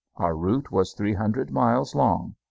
Our route was three hundred miles long.